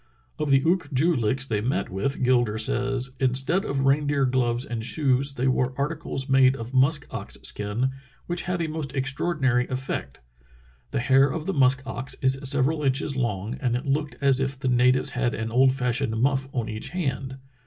Of the Ook joo liks they met with Gilder says: "In stead of reindeer gloves and shoes they wore articles made of musk ox skin, which had a most extraordinary 3i6 True Tales of Arctic Heroism effect. The hair of the musk ox is several inches long, and it looked as if the natives had an old fashioned muflP on each hand.